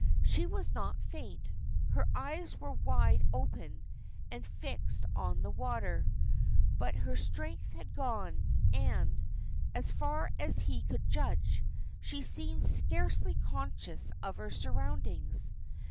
She was not faint; her eyes were wide open and fixed on the water, but her strength had gone, and, as far as he could judge, she seemed scarcely conscious of her surroundings.